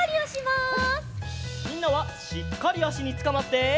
みんなはしっかりあしにつかまって！